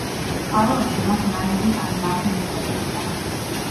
წყაროებში მას ნაიბი ან გამგეც ეწოდებოდა.